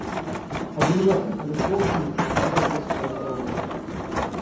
Один Васенька Весловский не переставая весело разговаривал.